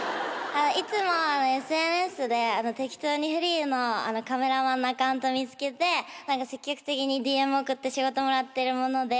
いつもＳＮＳで適当にフリーのカメラマンのアカウント見つけて積極的にＤＭ送って仕事もらってる者です。